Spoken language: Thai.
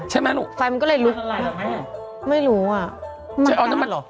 ใช่มั้ยลูกมันละลายเหรอแม่